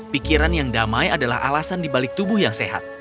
pikiran yang damai adalah alasan dibalik tubuh yang sehat